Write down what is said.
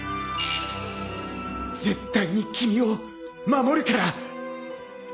絶対に君を守るから！